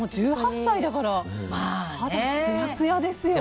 １８歳だから肌つやつやですよね。